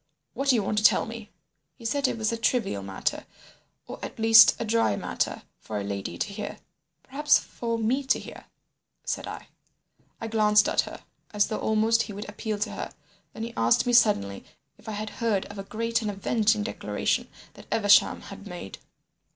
What do you want to tell me?' "He said it was a trivial matter, or at least a dry matter, for a lady to hear. "'Perhaps for me to hear,' said I. "He glanced at her, as though almost he would appeal to her. Then he asked me suddenly if I had heard of a great and avenging declaration that Evesham had made?